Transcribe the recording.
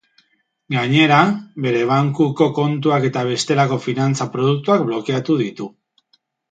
Gainera, bere bankuko kontuak eta bestelako finantza produktuak blokeatu ditu.